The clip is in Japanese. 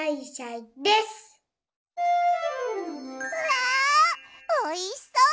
わあおいしそう！